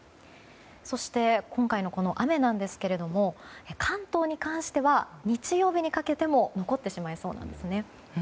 そして、今回の雨なんですが関東に関しては日曜日にかけても残ってしまいそうなんですね。